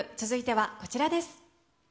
続いてはこちらです。